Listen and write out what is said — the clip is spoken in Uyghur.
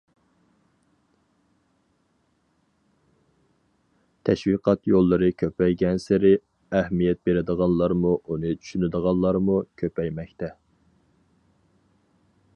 تەشۋىقات يوللىرى كۆپەيگەنسېرى، ئەھمىيەت بېرىدىغانلارمۇ، ئۇنى چۈشىنىدىغانلارمۇ كۆپەيمەكتە.